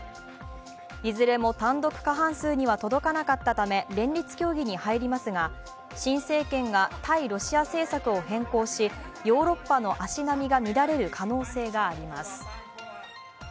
いずれも単独過半数には届かなかったため連立協議に入りますが新政権が対ロシア政策を変更しヨーロッパの足並みが乱れる可能性があります